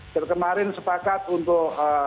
terkemarin sepakat untuk